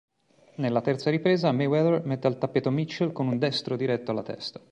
Nella terza ripresa Mayweather mette al tappeto Mitchell con un destro diretto alla testa.